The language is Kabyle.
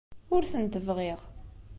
Ur tent-bɣiɣ.